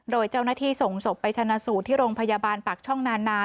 โดยเจ้าหน้าที่ส่งศพไปชนะสูตรที่โรงพยาบาลปากช่องนานา